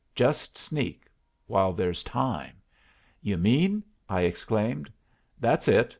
Just sneak, while there's time." "You mean ?" I exclaimed. "That's it.